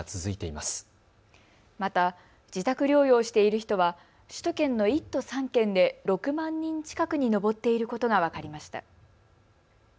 また、自宅療養している人は首都圏の１都３県で６万人近くに上っていることが分かりました。